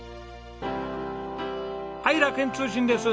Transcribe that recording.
はい楽園通信です。